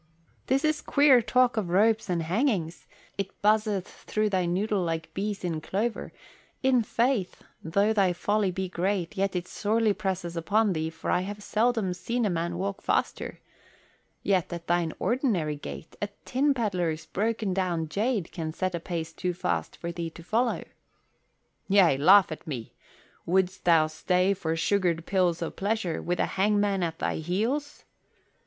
"This is queer talk of ropes and hangings. It buzzeth through thy noddle like bees in clover. In faith, though thy folly be great, yet it sorely presses upon thee, for I have seldom seen a man walk faster. Yet at thine ordinary gait a tin pedlar's broken down jade can set a pace too fast for thee to follow." "Yea, laugh at me! Wouldst thou stay for sugared pills of pleasure with the hangman at thy heels?"